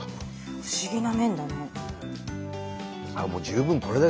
不思議な麺だね。